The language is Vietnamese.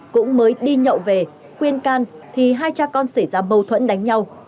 cũng mới đi nhậu về quyên can thì hai cha con xảy ra bầu thuẫn đánh nhau